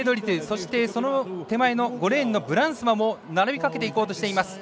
そしてその手前の５レーンのブランスマも並びかけていこうとしています。